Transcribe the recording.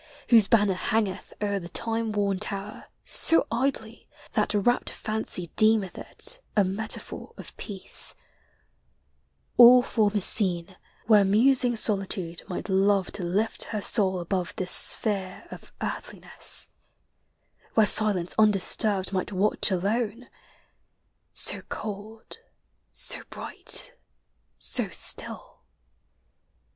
Whose banner hangeth o'er the time worn tower So idly that rapt fancy deemeth it A metaphor of peac< — all form a scene Where musing solitude might love to lift Her soul above this sphere of earthliness; Where silence undisturbed might watch alone, So cold, so bright, so still.